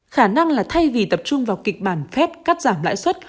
khả năng là thay vì tập trung vào kịch bản fed cắt giảm lãi xuất